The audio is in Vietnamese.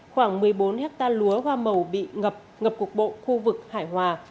khoảng một mươi bốn hectare lúa hoa màu bị ngập cục bộ khu vực hải hòa